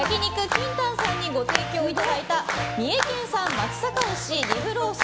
ＫＩＮＴＡＮさんにご提供いただいた三重県産松阪牛リブロース